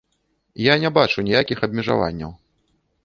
Я не бачу ніякіх абмежаванняў.